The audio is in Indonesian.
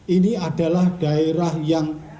ini adalah daerah yang